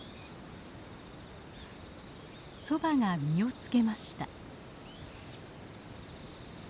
ソバが実を付けました。